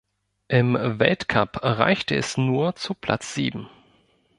Im Weltcup reichte es nur zu Platz sieben.